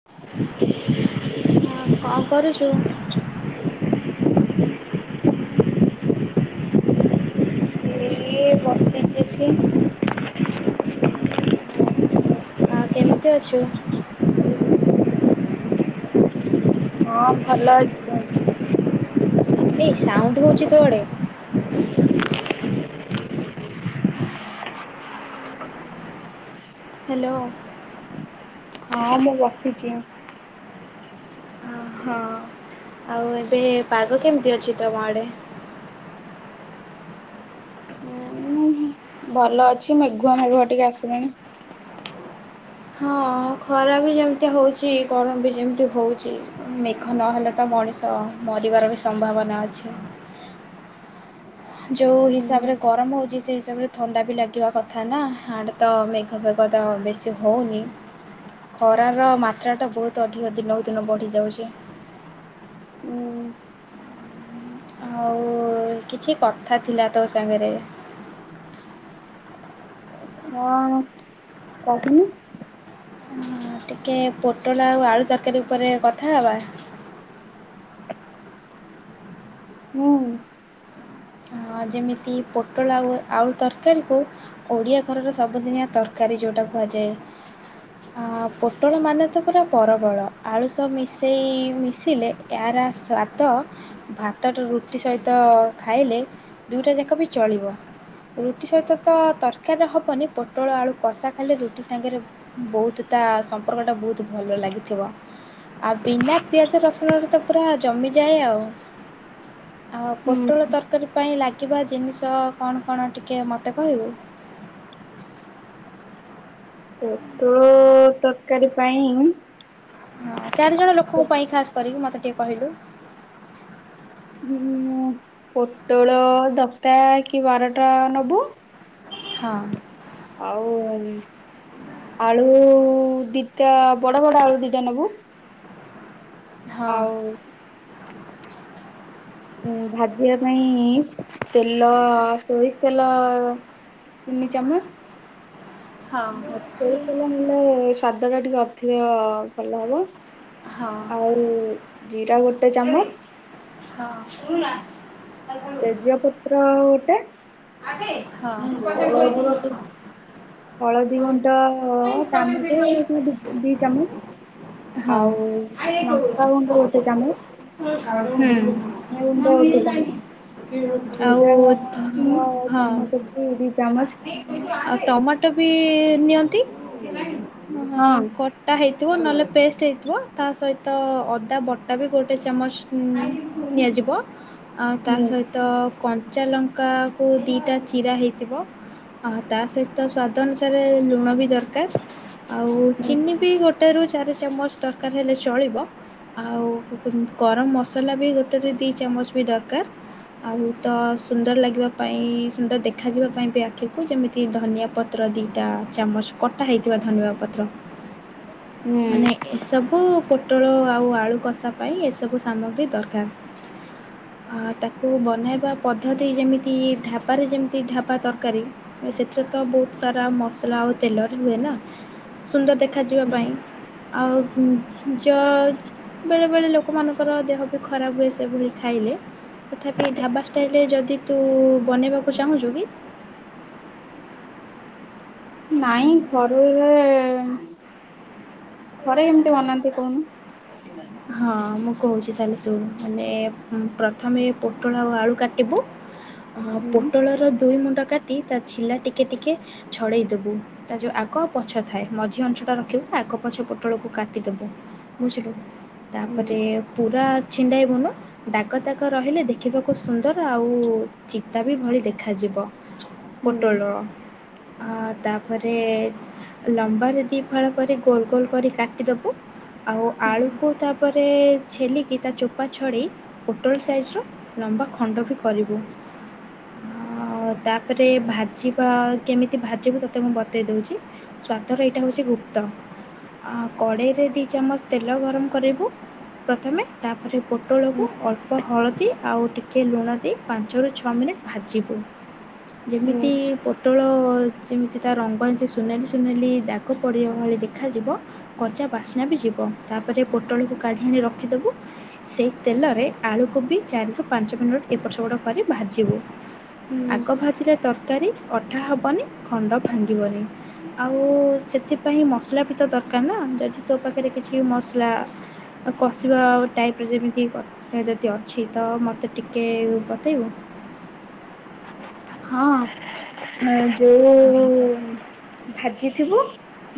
[inaudible] ହଁ କଣ କରୁଚୁ? ଏଇ ବସିଛି ଠି ଆ କେମିତି ଅଛୁ? ହଁ ଭଲ ଅଛି। ଏଇ ସାଉଣ୍ଡ ହଉଛି ତୋ ଆଡେ। ହ୍ୟାଲୋ। ହଁ ମୁଁ ରଖୁଚି। ହଁ ଆଉ ଏବେ ପାଗ କେମିତି ଅଛି ତମ ଆଡେ? ହଁ ମୁଁ ଭଲ ଅଛି ମେଘୁଆ ମେଘୁଆ ଟିକେ ଆସିଲାଣି। ହଁ ଖରା ବି ଯେମିତି ହଉଛି ଗରମ ବି ଯେମିତି ହଉଛି। ମେଘ ନହେଲେ ତ ମଣିଷ ମରିବାର ବି ସମ୍ଭାବନା ଅଛି। ଯୋଉ ହିସାବରେ ଗରମ ହଉଛି ସେଇ ହିସାବରେ ଥଣ୍ଡା ବି ଲାଗିବା କଥା ନା ଆଡେ ତ ମେଘ ଫେଘ ତ ବେଶୀ ହଉନି। ଖରାର ମାତ୍ରାଟା ବହୁତ ଅଧିକ ଦିନକୁ ଦିନ ବଢ଼ିଯାଉଛି। ଆଉ କିଛି କଥା ଥିଲା ତୋ ସାଙ୍ଗରେ। ହଁ କହୁନୁ। ଟିକେ ପୋଟଳ ଆଉ ଆଳୁ ତରକାରୀ ଉପରେ କଥା ହେବା। ହୁଁ। ଯେମିତି ପୋଟଳ ଆଉ ଆଳୁ ତରକାରୀକୁ ଓଡ଼ିଆ ଘରର ସବୁଦିନିଆ ତରକାରୀ ଯଉଟା କୁହାଯାଏ। ପୋଟଳ ମାନେ ତ ପୁରା ପରବଳ ଆଳୁ ସହ ମିଶେଇ ମିଶିଲେ। ଏହାର ସ୍ୱାଦ ଭାତଟା ରୁଟି ସହିତ ଖାଇଲେ ଦୁଇଟା ଯାକ ବି ଚଳିବ। ରୁଟି ସହିତ ତ ତରକାରୀ ହବନି ପୋଟଳ ଆଳୁ କଷା ଖାଇଲେ ରୁଟି ସାଙ୍ଗରେ ବହୁତ ତା ସମ୍ପର୍କଟା ବହୁତ ଭଲ ଲାଗିଥିବ। ଆଉ ବିନା ପିଆଜ ରସୁଣରେ ତ ପୁରା ଜମିଯାଏ ଆଉ। ଆଉ ହୁଁ। ପୋଟଳ ତରକାରୀ ପାଇଁ ଲାଗିବା ଜିନିଷ କଣ କଣ ଟିକେ ମୋତେ କହିବୁ? ପୋଟଳ ତରକାରୀ ପାଇଁ। ହଁ ଚାରିଜଣ ଲୋକଙ୍କୁ ପାଇଁ ଖାସ୍ କରିକି ମତେ ଟିକେ କହିଲୁ। ଉଁ ପୋଟଳ ଦଶଟା କି ବାରଟା ନବୁ। ହଁ। ଆଉ। ଆଳୁ ଦିଟା ବଡ ବଡ ଆଳୁ ଦିଟା ନବୁ। ହଁ ଆଉ। ହଁ ଭାଜିବା ପାଇଁ ତେଲ ସୋରିସ ତେଲ ତିନି ଚାମଚ। ହଁ। ହୁଁ। ସୋରିଷ ତେଲ ନେଲେ ସ୍ଵାଦ ଟା ଟିକେ ଅଧିକ ଭଲ ହବ। ଆଉ ଜିରା ଗୋଟେ ଚାମଚ। ହଁ। ତେଜ ପତ୍ର ଗୋଟେ। ହଳଦୀ [unintelligible] ହଳଦୀ ଗୁଣ୍ଟ ଚାମଚେ ଦି ଚାମୁଚ୍। ଆଉ ଲଙ୍କାଗୁଣ୍ଡ ଗୋଟେ ଚାମଚ। ହୁଁ। ଧନିଆଗୁଣ୍ଡ ଗୋଟେ ଚାମଚ। ଆଉ ଜିରାଗୁଣ୍ଡ ହଁ। ଚାମଚେ କି ଦୁଇ ଚାମଚ। ଆଉ ଟମାଟୋ ବି ନିଅନ୍ତି ହଁ କଟା ଟା ହେଇଥିବ ନହଲେଷ୍ଟ ହେଇଥିବ ତା ସହିତ ଅଦା ବଟା ବି ଗୋଟେ ଚାମଚ ନିଆଯିବ। ଆଉ ତା ହୁଁ ସହିତ କଞ୍ଚାଲଙ୍କାକୁ ଦିଇଟା ଚିରା ହେଇଥିବ। ହ ତା ସହିତ ସ୍ୱାଦ ଅନୁସାରେ ଲୁଣ ବି ଦରକାର। ଆଉ ହୁଁ ଚିନି ବି ଗୋଟେ ର ଚାରି ଚାମଚ ଦରକାର ହେଲେ ଚଳିବ। ଆଉ ଗରମ ମସଲା ବି ଗୋଟେ ଦିଇ ଚାମଚ ବି ଦରକାର। ଆଉ ତ ସୁନ୍ଦର ଲାଗିବା ପାଇଁ ସୁନ୍ଦର ଦେଖାଯିବା ପାଇଁ ବି ଆଖିକୁ ଯେମିତି ଧନିଆ ପତ୍ର ପତ୍ର ଦିଟା ଚାମଚ କଟା ହେଇଥିବା ଧନଆ ପତ୍ର ହୁଁ ମାନେ ଏସବୁ ପୋଟଳ ଆଉ ଆଳୁ କଷା ପାଇଁ ଏସବୁ ସାମଗ୍ରୀ ଦରକାର। ଆ ତାକୁ ବନେଇବା ପଦ୍ଧତି ଯେମିତି ଢାପାରେ ଯେମିତି ଢାପା ତରକାରୀ। ସେଥିରେ ତ ବହୁତ ସାରା ମସଲା ଆଉ ତେଲରେ ହୁଏ ନା ସୁନ୍ଦର ଦେଖାଯିବା ପାଇଁ। ଆଉ ଯ ବେଳେ ବେଳେ ଲୋକମାନଙ୍କର ଦେହ ବି ଖରାପ ହୁଏ ସେଭଳି ଖାଇଲେ। ତଥାପି ଢାବା ଷ୍ଟାଇଲ ରେ ଯଦି ତୁ ବନେଇବାକୁ ଚାହୁଁଛୁ କି? ନାଇଁ ଘରେ ଘରେ ଏମିତି ମନାନ୍ତି କହୁନୁ। ହଁ ମୁଁ କହୁଛି ତାହେଲେ ଶୁଣ ମାନେ ପ୍ରଥମେ ପୋଟଳ ଆଉ ଆଳୁ କାଟିବୁ। ହୁଁ ପୋଟଳର ଦୁଇ ମୁଣ୍ଡ କାଟି ତା ଛିଲା ଟିକେ ଟିକେ ଛଡ଼େଇଦବୁ। ତା ଯୋଉ ଆଗଉ ପଛ ଥାଏ ମଝି ଅଂଞ୍ଚ ଟା ରଖିବୁ ଆଗ ପଛ ପୋଟଳକୁ କାଟିଦବୁ। ବୁଝିଲୁ ହୁଁ ତାପରେ ପୁରା ଛିଣ୍ଡା ଏବୁନୁ। ଦାଗ ତାଗ ରହିଲେ ଦେଖିବାକୁ ସୁନ୍ଦର ଆଉ ଚିତା ବି ଭଳି ଦେଖାଯିବ। ହୁଁ ପଟଳ ତାପରେ ଲମ୍ବାରେ ଦି ଫାଳ କରି ଗୋଲ ଗୋଲ କରି କାଟିଦବୁ ଆଉ ଆଳୁ ତାକୁ ତାପରେ ଛେଲିକି ତା ଚୋପା ଛଡ଼ି ପୋଟଳ ସାଇଜ୍ର ଲମ୍ବା ଖଣ୍ଡ ବି କରିବୁ। ଆ ତାପରେ ଭାଜିବା କେମିତି ଭାଜିବୁ ତତେ ମୁଁ ବତେଇ ଦଉଛି। ସ୍ଵାଦର ଏଇଟା ହଉଛି ଗୁପ୍ତ ଆ କଡ଼େଇରେ ଦି ଚାମଚ ତେଲ ଗରମ କରିବୁ। ପ୍ରଥମେ ତାପରେ ପୋଟଳକୁ ହୁଁ ଅଳ୍ପ ହଳଦୀ ଆଉ ଟିକେ ଲୁଣ ଦେଇ ପାଞ୍ଚରୁ ଛଅ ମିନିଟ୍ ଭାଜିବୁ ହୁଁ ଯେମିତି ପୋଟଳ ଯେମିତି ତା ରଙ୍ଗ ଏମିତି ସୁନାଲି ସୁନାଲି ଦାଗ ପଡ଼ିବା ଭଳି ଦେଖାଯିବ। କଚା ବାସ୍ନା ବି ଯିବ ତାପରେ ପୋଟଳକୁ କାଢି ଆଣି ରଖିଦବୁ। ସେଇ ତେଲରେ ଆଳୁକୋବି ଚାରି ରୁ ପାଞ୍ଚ ମିନିଟ୍ ଏପଟ ସେପଟ କରି ଭାଜିବୁ। ହୁଁ। ଆଗ ଭାଜିଲେ ତରକାରୀ ଅଠା ହବନି ଖଣ୍ଡ ଭାଙ୍ଗିବନି। ଆଉ ସେଥିପାଇଁ ମସଲା ବି ତ ଦରକାର ନା ଯଦି ତୋ ପାଖରେ କିଛି ମସଲା କଷିବା ଟାଇପ୍ର ଯେମିତି ଯଦି ଅଛି ତ ମୋତେ ଟିକେ ବତେଇବ। ହଁ ଯୋଉ ହଁ ଭାଜିଥିବୁ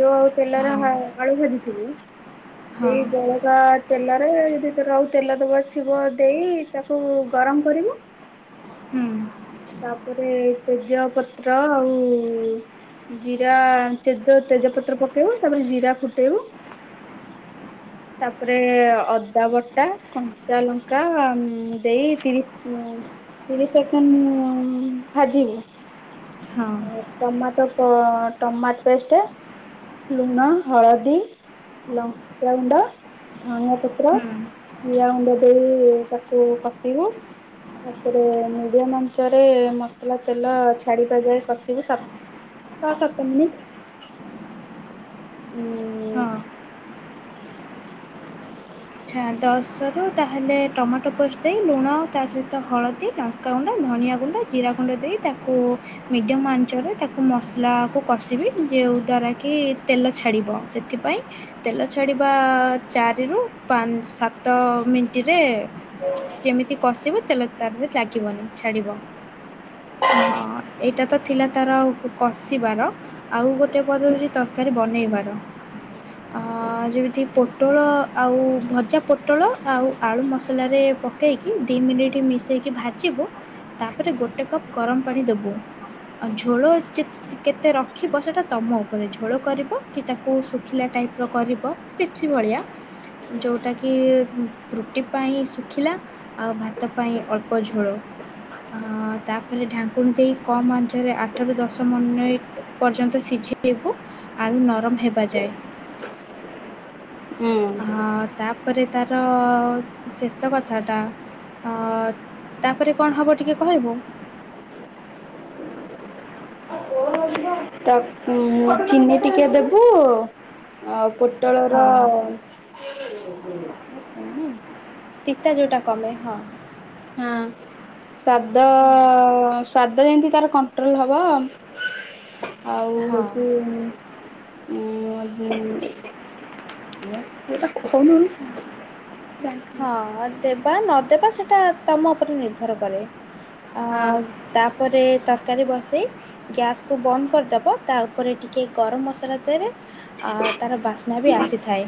ଯୋଉ ତେଲରେ ହଁ ଆଳୁ ଭଜିଥିବୁ ହଁ ସେଇ ଜଳ ତେଲରେ ଯଦି ରହୁ ତେଲ ଦେବା ଛିବ ଦେଇ ତାକୁ ଗରମ କରିବୁ। ହୁଁ। ତାପରେ ତେଜ ପତ୍ର ଆଉ ଜିରା ତେଜ ତେଜପତ୍ର ପକେଇବୁ ତାପରେ ଜିରା ଫୁଟେଇବୁ। ତାପରେ ଅଦା ବଟା କଞ୍ଚା ଲଙ୍କା ଦେଇ ତିରିଶ ତିରିଶ ସେକେଣ୍ଡ ଭାଜିବୁ। ହଁ ହଁ ଟମାଟୋ ଟମାଟୋ ପେଷ୍ଟଷ୍ଟ। ଲୁଣ ହଳଦୀ ଲଙ୍କା ଗୁଣ୍ଡ ଧନିଆ ପତ୍ର ହୁଁ ପିଆ ଗୁଣ୍ଡ ଦେଇ ତାକୁ କଷିବୁ। ତାପରେ ମିଡିୟମ ଅଞ୍ଚରେ ମସଲା ତେଲ ଛାଡ଼ ପ ଯଏ କଷିବୁ ସଫ ଛଅ ସାତ ମିନିଟ। ହଁ ଉଁ [inaudible] ଆଚଛା ଦଶରୁ ତାହେଲେ ଟମାଟୋ ପୋଷ୍ଟ ଦେଇ ଲୁଣ ଆଉ ତା ସହିତ ହଳଦୀ ଟ କା ଗୁଣ୍ଡ ଧନଆ ଗୁଣ୍ଡ ଜିରା ଗୁଣ୍ଡ ଦେଇ ତାକୁ ମିଡ଼ିୟମ ଆଞ୍ଚରେ ତାକୁ ମସଲାକୁ କଷିବି ଯେଉଁ ଦ୍ୱାରା କି ତେଲ ଛାଡ଼ିବ ସେଥିପାଇଁ ତେଲ ଛାଡିବା ଚାରି ରୁ ପାଞ୍ଚ ସାତ ମିଣ୍ଟିରେ ଯେମିତି କଷିବ ତେଲେ ତାପର ଲାଗିବନି ଛାଡିବ। ହଁ ଏଇଟା ତ ଥିଲା ତାର କଷିବାର ଆଉ ଗୋଟେ ପଦ ଅଉଛି ତରକାରୀ ବନେଇବାର। ଅ ଯେମିତି ପୋଟଳ ଆଉ ଭଜା ପୋଟଳ ଆଉ ଆଳୁ ମସଲାରେ ପକେଇକି ଦୁଇ ମିନିଟ୍ ମିଶାଇକି ଭାଜିବୁ ତାପରେ ଗୋଟେ କପ୍ ଗରମ ପାଣି ଦେବୁ ଆଉ ଝୋଳ ଚି କେତେ ରଖିବ ସେଇଟା ତମ ଉପରେ ଝୋଳ କରିବ କି ତାକୁ ଶୁଖିଲା ଟାଇପ୍ ର କରିବ ପିଛି ବଢ଼ିଆ। ଯେଉଁଟାକି ରୁଟି ପାଇଁ ଶୁଖିଲା। ଆଉ ଭାତ ପାଇଁ ଅଳ୍ପ ଝୋଳ। ଆ ତାପରେ ଢାଙ୍କୁଣୀ ଦେଇ କମ୍ ଆଞ୍ଚରେ ଆଠରୁ ଦଶ ମନ୍ଦାଏ ପର୍ଯ୍ୟନ୍ତ ସିଝେଇବୁ ଆଳୁ ନରମ ହେବା ଯାଏ। ହଁ ତାପରେ ତାର ଶେଷ କଥାଟା ଅ ତାପରେ କଣ ହବ ଟିକେ କହିବୁ? ତା ଉଁ ଚିନି ଟିକେ ଦେବୁ ଆଉ ପୋଟଳର ହଁ ହ ହୁଁ ପିତା ଜୋଉଟା କମେ ହଁ। ହଁ। ସ୍ଵାଦ ସ୍ଵାଦ ଯେମିତି ତାର କଣ୍ଟ୍ରୋଲ ହବ। ଆଉ ହଁ ହଉଛି ଉଁ [unintelligible] ହଁ ଦେବା ନଦବା ସେଇଟା ତମ ଉପରେ ନିର୍ଭର କରେ। ଅ ତାପରେ ତରକାରୀ ବସେଇ ଗ୍ୟାସ୍ କୁ ବନ୍ଦ କରିଦବ ତା ଉପରେ ଟିକେ ଗରମ ମସଲା ଦେରେ ଆ ତାର ବାସ୍ନା ବି ଆସିଥାଏ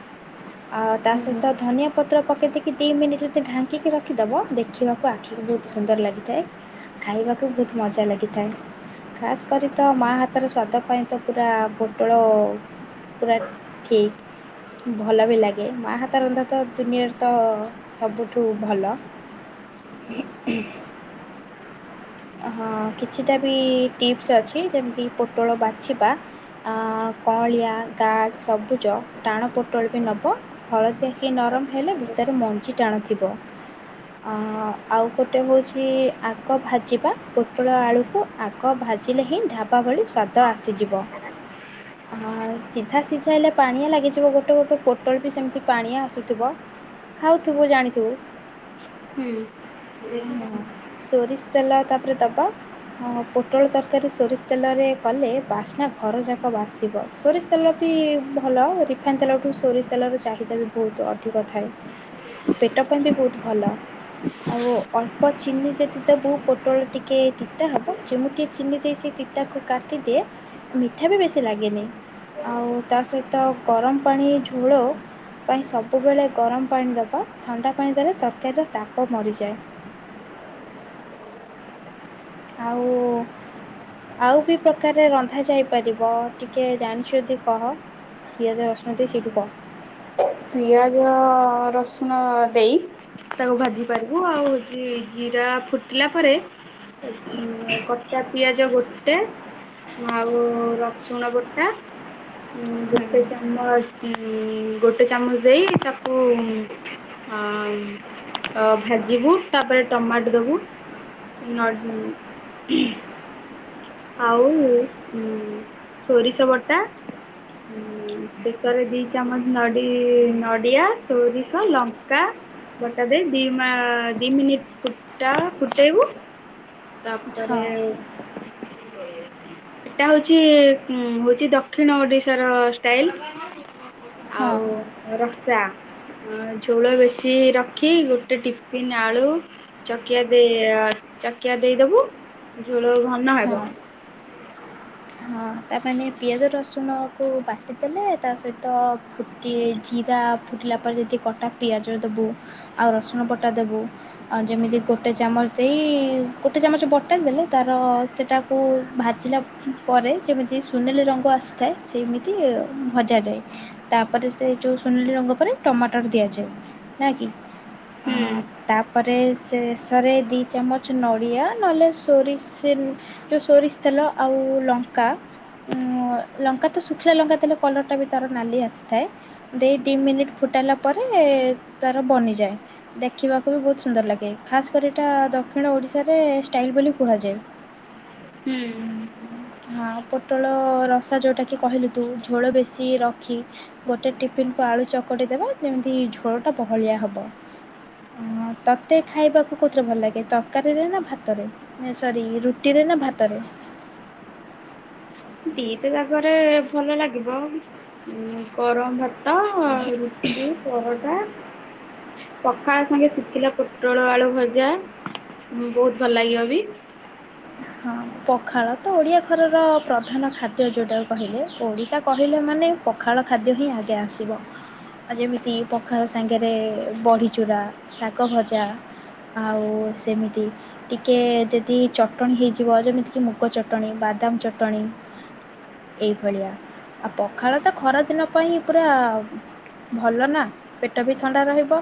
ଆ ତା ସହିତ ଧନିଆ ପତ୍ର ପକେଇ ଦେଇକି ଦି ମିନିଟ ଯଦି ଢାଙ୍କିକି ରଖିଦବ ଦେଖିବାକୁ ଆଖିକୁ ବହୁତ ସୁନ୍ଦର ଲାଗିଥାଏ। ଖାଇବାକୁ ବହୁତ ମଜା ଲାଗିଥାଏ। ଖାସ୍ କରି ତ ମା ହାତର ସ୍ୱାଦ ପାଇଁ ତ ପୁରା ପୋଟଳ ପୁରା ଠିକ୍ ଭଲ ବି ଲାଗେ ମା ହାତ ରନ୍ଧା ତ ଦୁନିଆର ତ ସବୁଠୁ ଭଲ। ହଁ କିଛିଟା ବି ଟିପ୍ସ ଅଛି ଯେମିତି ପୋଟଳ ବାଛିବା। କଅଁଳିଆ ଗାଡ଼ ସବୁଜ ଟାଣ ପୋଟଳଟେ ନବ। ହଳଦିଆ କିଆ ନରମ ହେଲେ ଭିତରେ ମଞ୍ଜି ଟାଣଥିବ। ଅ ଆଉ ଗୋଟେ ହେଉଛି ଆଗ ଭାଜ ଯିବା ପୋଟଳ ଆଳୁକୁ ଆଗ ଭାଜିଲେ ହିଁ ଢାବା ଭଳି ସ୍ୱାଦ ଆସିଯିବ। ଆ ସିଧା ସିଝା ହେଲେ ପାଣିଆ ଲାଗିଯିବ ଗୋଟେ ଗୋଟେ ପୋଟଲ ବି ସେମିତି ପାଣିଆ ଆସୁଥିବ। ଖାଉଥିବୁ ଜାଣିଥିବୁ ଅଁ ସୋରିଷ ତେଲ ତାପରେ ଦବ। ହଁ ପୋଟଳ ତରକାରୀ ସୋରିଷ ତେଲରେ କଲେ ବାସ୍ନା ଘର ଯାକ ବାସିବ। ସୋରିଷ ତେଲ ବି ଭଲ ରିଫାଇନ୍ ତେଲଠୁ ସୋରିଷ ତେଲର ଚାହିଦା ବି ବହୁତ ଅଧିକ ଥାଏ। ପେଟ ପାଇଁ ବି ବହୁତ ଭଲ ଆଉ ଅଳ୍ପ ଚିନି ଯଦି ଦବୁ ପୋଟଳ ଟିକେ ତିତା ହବ ଯେମଁଟେ ଚିନି ଦେଇ ସେ ତିତାକୁ କାଟିଦିଏ ମିଠା ବି ବେଶୀ ଲାଗେନି ଆଉ ତା ସହିତ ଗରମ ପାଣି ଝୋଳ ପାଇଁ ସବୁବେଳେ ଗରମ ପାଣି ଦେବା ଥଣ୍ଡା ପାଣି ଦେଲେ ତରକାରୀର ତାପ ମରିଯାଏ। ଆଉ। ଆଉ ବି ପ୍ରକାରରେ ରନ୍ଧା ଯାଇପାରିବ। ଟିକେ ଜାଣିଛ ଯଦି କହ। ପିଆଜ, ରସୁଣ ଦେଇ ସେଇଠୁ କଣ? ପିଆଜ, ରସୁଣ ଦେଇ ତାକୁ ଭାଜି ପାରିବୁ ଆଉ ଉ ଜିରା ଫୁଟିଲା ପରେ, କଟା କଟା ପିଆଜ ଗୋଟେ ଆଉ ରସୁଣ ଗୋଟା ହୁଁ ଗୋଟେ ଚାମଚ ଗୋଟେ ଚାମଚ ଦେଇ ତାକୁ ଅ [unintelligible] ଭାଜିବୁ ତାପରେ ଟମାଟ ଦବୁ। ନଡ଼ିଆ [unintelligible] ଆଉ ଉ ସୋରିଷ ବଟା ହୁଁ ସେଥିରେ ଦୁଇ ଚାମଚ ନଡ଼ିଆ। ନଡ଼ିଆ, ସୋରିଷ, ଲଙ୍କା। ନଡ଼ିଆ ବଟା ଦେଇ ଦି ମା ଦି ମିନିଟ ଫୁଟା ଫୁଟେଇବୁ। ହଁ ତାପରେ [unintelligible] ଏଟା ହଉଛି ହଉଛି ଦକ୍ଷିଣ ଓଡ଼ିଶାର ଷ୍ଟାଇଲ ହଁ। ରସା ଝୋଳ ବେଶୀ ରଖି ଗୋଟେ ଟିଫିନ୍ ଆଳୁ। ଚକିଆ ଦେଇ ଚକିଆ ଦେଇଦବୁ ଝୋଳ ଭନ ହଁ ହେବ। ହଁ ତାପ ପିଆଜ ରସୁଣକୁ ବାଟିଦେଲେ ତା ସହିତ ଫୁଟା ଟିକେ ଜିରା ଫୁଟିଲା ପରେ ଯଦି କଟା ପିଆଜ ଦେବୁ ଆଉ ରସୁଣ ବଟା ଦେବୁ। ଆଉ ଯେମିତି ଗୋଟେ ଚାମଚ ଦେଇ ଗୋଟେ ଚାମଚ ବଟାଲ ଦେଲେ ତାର ସେଇଟାକୁ ସେଇଟାକୁ ଭାଜିଲା ପରେ ଯେମିତି ସୁନେଲି ରଙ୍ଗ ଆସିଥାଏ ସେମିତି ଭଜାଯାଏ। ତାପରେ ସେ ଯୋଉ ସୁନେଲି ରଙ୍ଗ ପରେ ଟମାଟର ଦିଆଯାଏ ନା କି। ଅଁ ହୁଁ। ତାପରେ ଶେଷରେ ଦୁଇ ଚାମଚ ନଡ଼ିଆ ନହେଲେ ସୋରିଷ ତେଲ ସୋରିଷ ତେଲ ଆଉ ଲଙ୍କା। ଲଙ୍କା ଲଙ୍କା ତ ଶୁଖିଲା ଲଙ୍କା ଥିଲେ କଲରଟା ବି ତାର ନାଲି ଆସିଥାଏ। ଦେଇ ଦୁଇ ମିନିଟ୍ ଫୁଟାଇଲା ପରେ ତାର ବନିଯାଏ। ଦେଖିବାକୁ ବି ବହୁତ ସୁନ୍ଦର ଲାଗେ ଖାସ୍ କରି ଏଇଟା ଦକ୍ଷିଣ ଓଡ଼ିଶାରେ ଷ୍ଟାଇଲ୍ ବୋଲି କୁହାଯାଏ। ହୁଁ। ଉଁ, ହଁ ପୋଟଳ ରସା ଯେଉଟାକି କହିଲୁ ତୁ ଝୋଳ ବେଶୀ ରଖି ଗୋଟେ ଟିଫିନ୍ କୁ ଆଳୁ ଚକଟି ଦେବେ ଯେମିତି ଝୋରଟା ବହଳିଆ ହବ। ଓ ତୋତେ ଖାଇବାକୁ କୋଉଥିରେ ଭଲ ଲାଗେ ତରକାରୀରେ ନା ଭାତରେ? ସରି ରୁଟିରେ, ନା ଭାତରେ। ଦିଟେ ଜାଗାରେ ଭଲ ଲାଗିବ। ଗରମ ଭାତ ଆଉ ରୁଟି କି ପରଟା। ପଖାଳ ସାଙ୍ଗେ ଶୁଖିଲ ପୋଟଳ, ଆଳୁ ଭଜା। ହଁ ବହୁତ ଭଲ ଲାଗିବ ବି। ହଁ, ପଖାଳ ତ ଓଡ଼ିଆ ଘରର ପ୍ରଧାନ ଖାଦ୍ୟ। ଯଉଁଟାକ କହିଲେ, ଓଡିଶା କହିଲେ ମାନେ ପଖାଳ ଖାଦ୍ୟ ହିଁ ଆଗେ ଆସିବ। ଆଉ ଯେମିତି ପଖାଳ ସାଙ୍ଗରେ ବଢିଚୂୁରା, ଶାଗ ଭଜା। ଆଉ ସେମିତି ଟିକେ ଯଦି ଚ ଟଣି ହୋଇଇଯିବ, ଯେମିତିକି ମୁଗ ଚଟଣି, ବାଦାମ ଚଟଣି ଏଇଭଳିଆ। ଆଉ ପଖାଳ ତ ଖରାଦିନ ପାଇଁ ପୁରା ଭଲ ନା ପେଟ ବି ଥଣ୍ଡା ରହିବ।